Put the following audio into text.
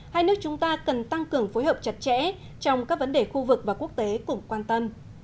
hai nước chúng ta cần tăng cường phối hợp chặt chẽ trong các vấn đề khu vực và quốc tế cùng quan tâm